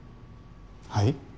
はい？